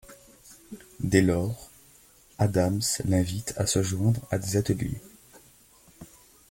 Dès lors, Adams l'invite à se joindre à des ateliers.